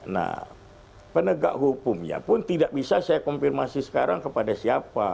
nah penegak hukumnya pun tidak bisa saya konfirmasi sekarang kepada siapa